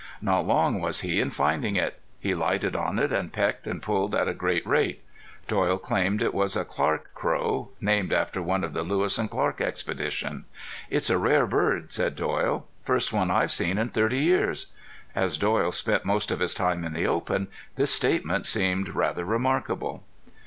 Not long was he in finding it. He alighted on it, and pecked and pulled at a great rate. Doyle claimed it was a Clark crow, named after one of the Lewis and Clark expedition. "It's a rare bird," said Doyle. "First one I've seen in thirty years." As Doyle spent most of his time in the open this statement seemed rather remarkable.